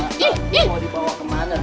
mau dibawa kemana nek